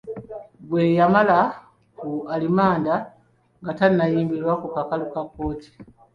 Gwe yamala ku alimanda nga tannayimbulwa ku kakalu ka kkooti?